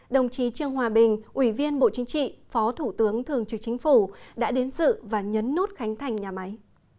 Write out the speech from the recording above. đồng chí trương hòa bình ủy viên bộ chính trị phó thủ tướng thường trực chính phủ đã đến dự và nhấn nút khánh thành nhà máy